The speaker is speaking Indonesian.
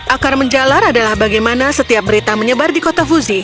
akar menjalar adalah bagaimana setiap berita menyebar di kota fuzi